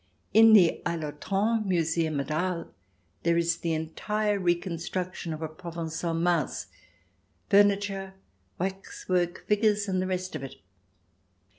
In the Arlaten Museum at Aries there is the entire reconstruction of a Provencal mas — furni ture, waxwork figures, and the rest of it.